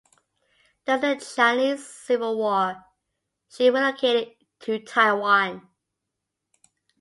During the Chinese Civil War she relocated to Taiwan.